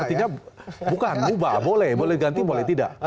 artinya bukan mubah boleh boleh ganti boleh tidak